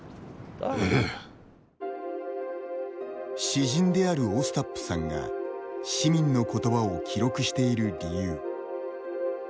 詩人であるオスタップさんが市民の言葉を記録している理由。